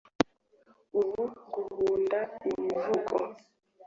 ubu nguhunda imivugo